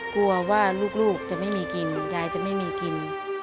กลัวว่าลูกจะไม่มีกินยายจะไม่มีกิน